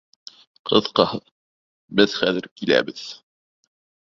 Ҡыҫҡаһы, беҙ хәҙер киләбеҙ.